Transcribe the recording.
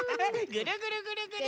ぐるぐるぐるぐる！